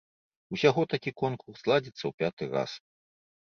Усяго такі конкурс ладзіцца ў пяты раз.